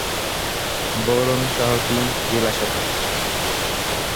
বরন শহরটি জেলা সদর।